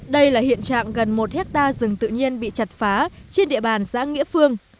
đây là hiện trạng gần một hectare rừng tự nhiên bị chặt phá trên địa bàn xã nghĩa phương